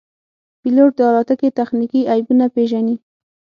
پیلوټ د الوتکې تخنیکي عیبونه پېژني.